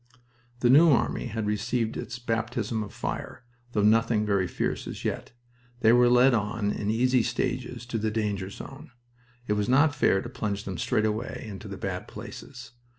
The New Army had received its baptism of fire, though nothing very fierce as yet. They were led on in easy stages to the danger zone. It was not fair to plunge them straight away into the bad places.